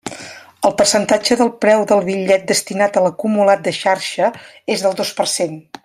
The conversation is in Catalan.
El percentatge del preu del bitllet destinat a l'acumulat de xarxa és del dos per cent.